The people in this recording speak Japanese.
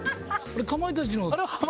かまいたちの。